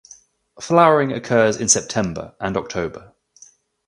Flowering occurs in September and October.